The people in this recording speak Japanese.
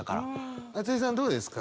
松居さんどうですか？